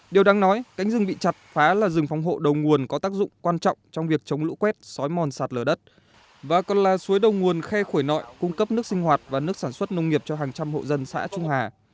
điều đáng nói cánh rừng bị chặt phá là rừng phòng hộ đầu nguồn có tác dụng quan trọng trong việc chống lũ quét xói mòn sạt lở đất và còn là suối đầu nguồn khe khổi nội cung cấp nước sinh hoạt và nước sản xuất nông nghiệp cho hàng trăm hộ dân xã trung hà